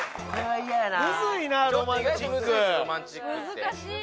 難しい！